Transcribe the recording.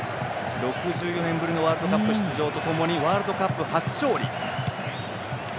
６４年ぶりのワールドカップ出場とともにワールドカップ初勝利。